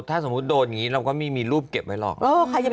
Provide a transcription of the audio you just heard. ถ้าสมมุติโดดนี้เราก็ไม่มีรูปเก็บไว้เลาะ